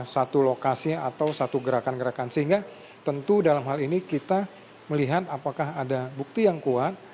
satu lokasi atau satu gerakan gerakan sehingga tentu dalam hal ini kita melihat apakah ada bukti yang kuat